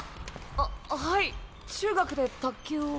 あはい中学で卓球を。